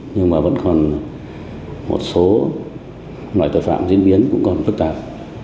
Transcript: nhưng mà vẫn còn một số loại tội phạm diễn biến cũng còn phức tạp